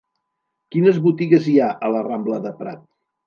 Quines botigues hi ha a la rambla de Prat?